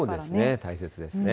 大切ですね。